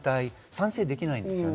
賛成できないです。